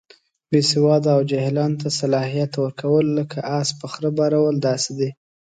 بې سواده او جاهلانو ته صلاحیت ورکول، لکه اس په خره بارول داسې دي.